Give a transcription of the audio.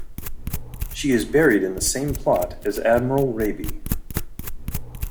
She is buried in the same plot as Admiral Raby.